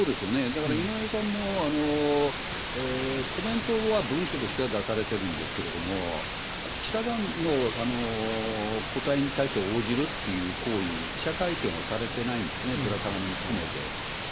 だから井上さんもコメントは文書としては出されてるんですけれども、記者団の答えに対して応じるっていう行為、記者会見をされてないんですね、ぶら下がりも含めて。